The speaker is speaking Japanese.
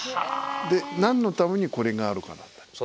で何のためにこれがあるかなんだ。